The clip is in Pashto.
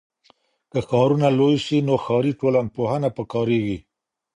که ښارونه لوی سي نو ښاري ټولنپوهنه پکاریږي.